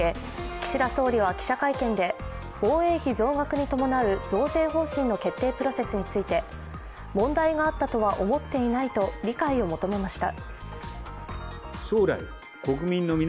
岸田総理は記者会見で防衛費増額に伴う増税方針の決定プロセスについて問題があったとは思っていないと理解を求めました。